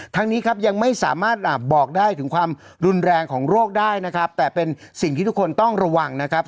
ทั้งนี้ครับยังไม่สามารถบอกได้ถึงความรุนแรงของโรคได้นะครับแต่เป็นสิ่งที่ทุกคนต้องระวังนะครับ